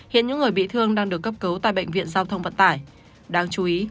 hiện những người bị thương đang được cấp cấu tại bệnh viện giao thông vận tải